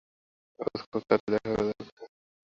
অথচ খুব তাড়াতাড়ি দেখা করা দরকার!